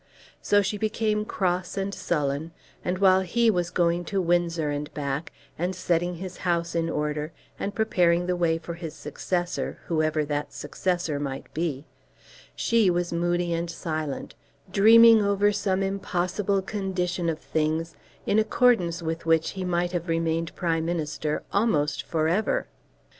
So she became cross and sullen; and while he was going to Windsor and back and setting his house in order, and preparing the way for his successor, whoever that successor might be, she was moody and silent, dreaming over some impossible condition of things in accordance with which he might have remained Prime Minister almost for ever.